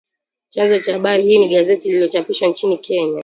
Chanzo cha habari hii ni gazeti linalochapishwa nchini Kenya